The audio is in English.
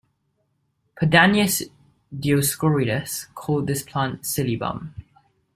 Pedanius Dioscorides called this plant silybum.